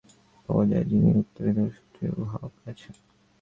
এই নাম এমন ব্যক্তির নিকট হইতে পাওয়া চাই, যিনি উত্তরাধিকারসূত্রে উহা পাইয়াছেন।